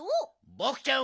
ボクちゃん